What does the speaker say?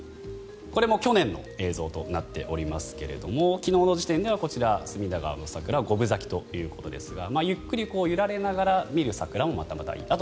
これも去年の映像となっておりますが昨日の時点ではこちら、隅田川の桜は五分咲きということですがゆっくり揺られながら見る桜もまたいい。